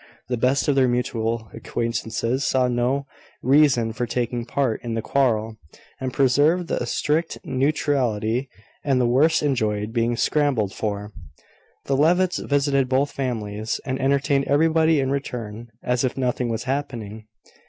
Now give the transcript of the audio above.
The best of their mutual acquaintances saw no reason for taking part in the quarrel, and preserved a strict neutrality; and the worst enjoyed being scrambled for. The Levitts visited both families, and entertained everybody in return, as if nothing was happening.